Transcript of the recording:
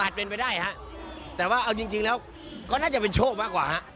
เป็นไปได้ฮะแต่ว่าเอาจริงแล้วก็น่าจะเป็นโชคมากกว่าฮะ